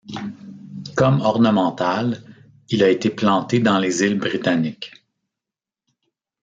Comme ornementale, il a été planté dans les îles britanniques.